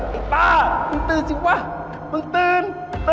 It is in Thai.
ไอ้ป้ามึงตื่นสิวะมึงตื่น